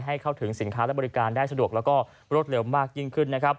ให้เข้าถึงสินค้าและบริการได้สะดวกแล้วก็รวดเร็วมากยิ่งขึ้นนะครับ